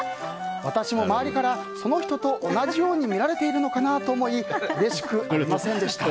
私も周りからその人と同じように見られているのかな？と思いうれしくありませんでした。